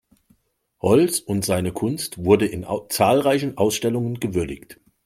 Holz und seine Kunst wurde in zahlreichen Ausstellungen gewürdigt.